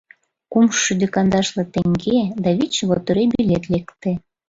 Кумшӱдӧ кандашле теҥге да вич лотерей билет лекте.